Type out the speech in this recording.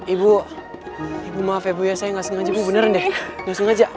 ibu ibu maaf ya ibu ya saya gak sengaja ibu bener deh gak sengaja